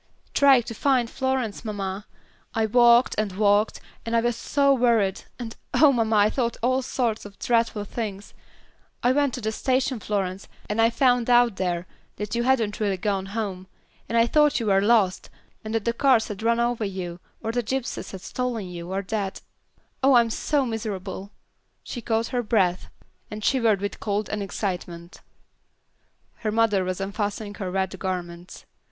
"Trying to find Florence, mamma. I walked and walked, and I was so worried, and oh, mamma, I thought all sorts of dreadful things. I went to the station, Florence, and I found out there that you hadn't really gone home; then I thought you were lost, or that the cars had run over you, or the gypsies had stolen you, or that oh I'm so miserable," she caught her breath, and shivered with cold and excitement. Her mother was unfastening her wet garments.